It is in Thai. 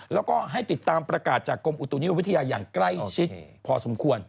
แล้วก็ให้ติดตามประกาศจากกรมอุตุนิยมวิทยาอย่างใกล้ชิดพอสมควร